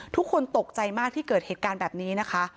ทุกคนตกใจมากที่เกิดเหตุการณ์แบบนี้นะคะ